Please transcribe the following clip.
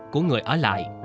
của người ở lại